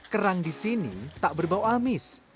kerang di sini tak berbau amis